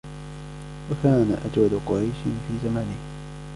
وَكَانَ أَجْوَدَ قُرَيْشٍ فِي زَمَانِهِ